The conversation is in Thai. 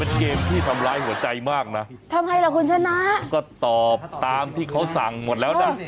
เป็นเกมที่ทำร้ายหัวใจมากนะทำไมล่ะคุณชนะก็ตอบตามที่เขาสั่งหมดแล้วนะ